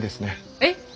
えっ！？